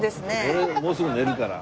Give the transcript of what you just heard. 俺もうすぐ寝るから。